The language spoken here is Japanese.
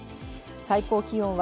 最高気温は